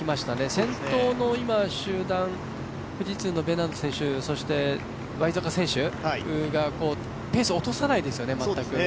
先頭の集団、富士通のベナード選手ワイザカ選手がペースを落とさないですよね、全く。